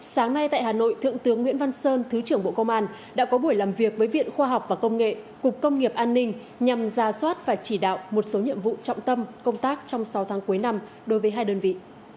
sáng nay tại hà nội thượng tướng nguyễn văn sơn thứ trưởng bộ công an đã có buổi làm việc với viện khoa học và công nghệ cục công nghiệp an ninh nhằm ra soát và chỉ đạo một số nhiệm vụ trọng tâm công tác trong sáu tháng cuối năm đối với hai đơn vị